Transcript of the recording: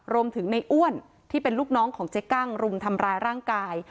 รวมถึงในอ้วนที่เป็นลูกน้องของเจ๊กั้งรุมทำร้ายร่างกาย